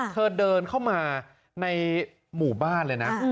เธอเดินเข้ามาในหมู่บ้านเลยนะ